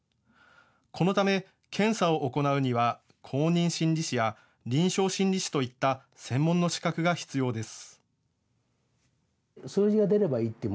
このため検査を行うには公認心理師や臨床心理士といった専門の資格が必要です。